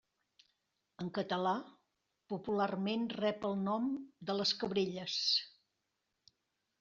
En català, popularment rep el nom de les Cabrelles.